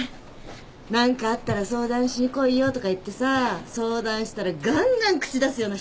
何かあったら相談しに来いよとか言ってさ相談したらがんがん口出すような人いるじゃない？